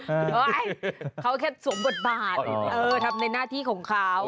เฮ้ยเขาแค่สวมบทบาททำในหน้าที่ของเขา